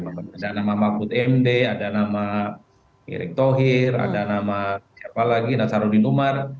ada nama makut md ada nama kirik tohir ada nama siapa lagi nasarudin umar